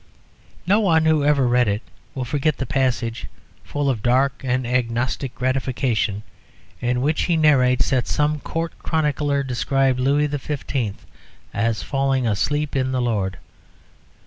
No one who ever read it will forget the passage, full of dark and agnostic gratification, in which he narrates that some Court chronicler described Louis XV. as "falling asleep in the Lord."